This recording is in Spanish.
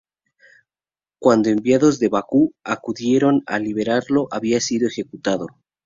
Cuando enviados de Bakú acudieron a liberarlo había sido ejecutado.